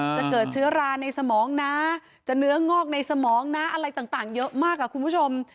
จะเกิดเชื้อราในสมองนะจะเนื้องอกในสมองนะอะไรต่างเยอะมากคุณผู้ชม